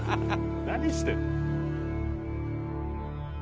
何してんの？